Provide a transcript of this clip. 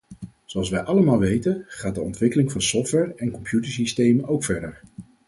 Zoals wij allemaal weten, gaat de ontwikkeling van software- en computersystemen ook verder.